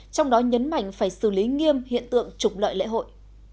trong đó nhấn mạnh phải xử lý nghiêm hiện tượng trục lợi lễ hội